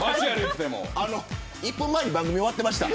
１分前に番組が終わってました。